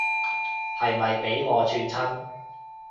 係咪畀我串親